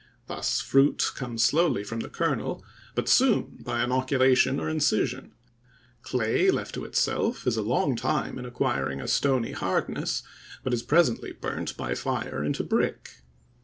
Thus, fruit comes slowly from the kernel, but soon by inoculation or incision; clay, left to itself, is a long time in acquiring a stony hardness, but is presently burnt by fire into brick.